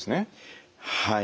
はい。